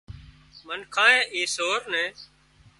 منکانئي اي سور نين